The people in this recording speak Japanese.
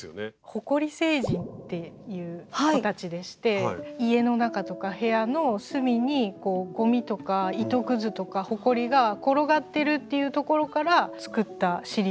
「埃星人」っていう子たちでして家の中とか部屋の隅にゴミとか糸くずとかほこりが転がってるっていうところから作ったシリーズです。